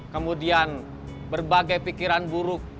kemudian berbagai pikiran buruk